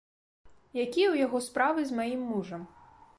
Якія ў яго справы з маім мужам?